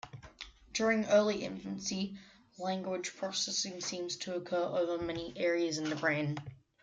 During early infancy, language processing seems to occur over many areas in the brain.